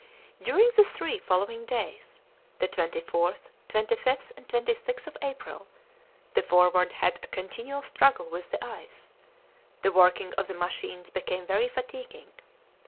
During the three following days, the 24th, 25th, and 26th of April, the Forward had a continual struggle with the ice; the working of the machines became very fatiguing.